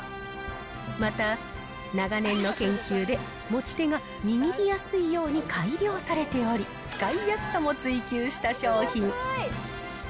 また長年の研究で、持ち手が握りやすいように改良されており、使いやすさも追求した商品。